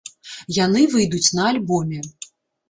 Яны выйдуць на альбоме.